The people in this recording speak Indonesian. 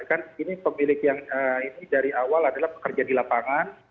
kan ini pemilik yang ini dari awal adalah pekerja di lapangan